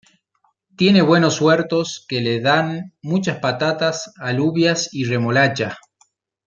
Tiene buenos huertos que le dan muchas patatas, alubias, y remolacha.